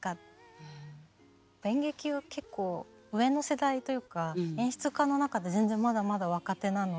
演劇を結構上の世代というか演出家の中で全然まだまだ若手なので。